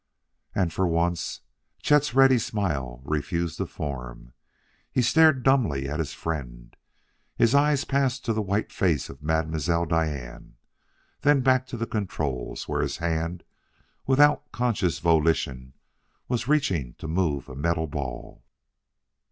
And, for once, Chet's ready smile refused to form. He stared dumbly at his friend; his eyes passed to the white face of Mademoiselle Diane; then back to the controls, where his hand, without conscious volition, was reaching to move a metal ball.